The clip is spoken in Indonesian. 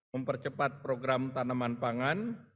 mempercepat program tanaman pangan